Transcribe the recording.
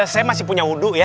saya masih punya wudhu ya